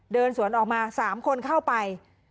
เดินสวนออกมา๓คนเข้าไป